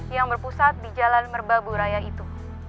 yang berpusat di jalan merbaburaya itu